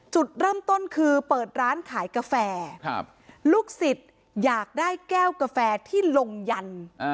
จุดเริ่มต้นคือเปิดร้านขายกาแฟลูกศิษย์อยากได้แก้วกาแฟที่ลงยัน